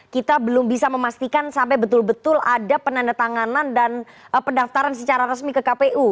kita belum bisa memastikan sampai betul betul ada penandatanganan dan pendaftaran secara resmi ke kpu